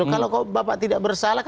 kalau bapak tidak bersalah